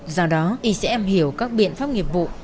do đó icm hiểu các biện pháp nghiệp vụ